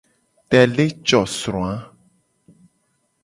Tele co sro a.